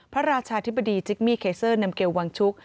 พระราชาธิบดีจิกมี่เคเซอร์นำเกลวังชุก